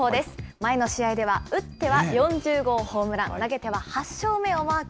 前の試合では打っては４０号ホームラン、投げては８勝目をマーク。